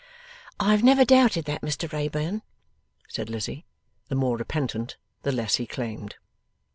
'I have never doubted that, Mr Wrayburn,' said Lizzie; the more repentant, the less he claimed.